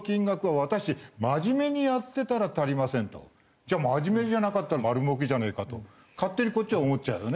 じゃあ真面目じゃなかったら丸もうけじゃねえかと勝手にこっちは思っちゃうよね。